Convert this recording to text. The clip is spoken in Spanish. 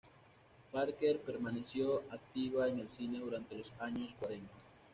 Parker permaneció activa en el cine durante los años cuarenta.